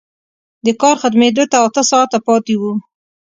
د کار ختمېدو ته اته ساعته پاتې وو